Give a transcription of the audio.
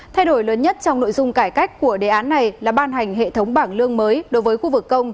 thay đổi lớn nhất trong nội dung cải cách của đề án này là ban hành hệ thống bảng lương mới đối với khu vực công